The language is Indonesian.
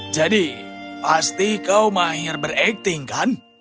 jadi pasti kau mahir berakting kan